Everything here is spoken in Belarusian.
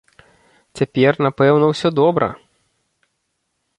Цяпер, напэўна, усё добра!